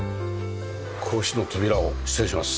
格子の扉を失礼します。